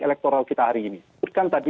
elektoral kita hari ini itu kan tadi